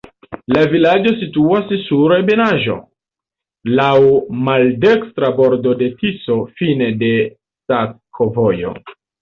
La vilaĝo situas sur ebenaĵo, laŭ maldekstra bordo de Tiso, fine de sakovojo.